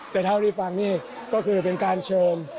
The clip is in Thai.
แต่เท่าที่ฟังนี่ก็คือเป็นการเชิญ